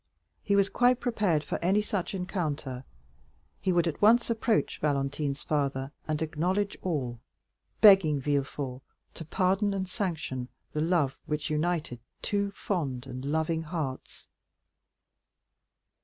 He was quite prepared for any such encounter. He would at once approach Valentine's father and acknowledge all, begging Villefort to pardon and sanction the love which united two fond and loving hearts.